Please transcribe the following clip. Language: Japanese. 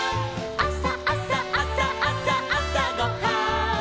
「あさあさあさあさあさごはん」